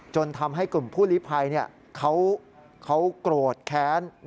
จนทำให้กลุ่มผู้ลิภัยเขาโกรธแค้น